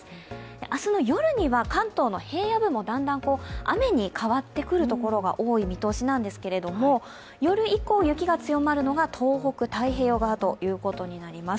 明日の夜には関東の平野部もだんだん雨に変わってくるところが多い見通しなんですけれども夜以降雪が強まるのが東北・太平洋側ということになります。